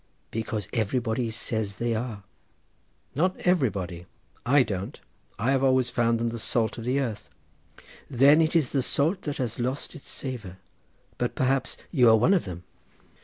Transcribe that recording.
"Because everybody says they are." "Not everybody. I don't; I have always found them the salt of the earth." "Then it is salt that has lost its savour. But perhaps you are one of them?"